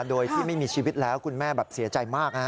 โดยที่ไม่มีชีวิตแล้วคุณแม่แบบเสียใจมาก